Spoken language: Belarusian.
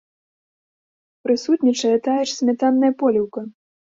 Прысутнічае тая ж смятанная поліўка!